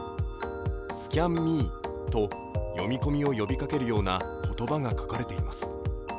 「ＳＣＡＮＭＥ」と読み込みを呼びかけるような言葉が書かれています。